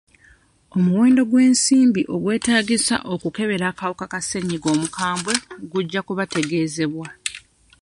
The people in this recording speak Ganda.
Omuwendo gw'ensimbi ogwetaagisa okukebera akawuka ka ssennyiga omukambwe gujja kubategeezebwa.